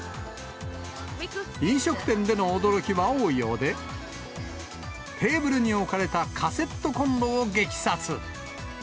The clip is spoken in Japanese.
飲食店での驚きは多いようで、テーブルに置かれたカセットコンロを激撮。